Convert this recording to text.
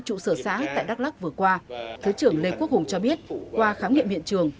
trụ sở xã tại đắk lắc vừa qua thứ trưởng lê quốc hùng cho biết qua khám nghiệm hiện trường